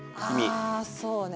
あそうね。